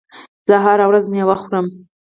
زه هره ورځ میوه خورم.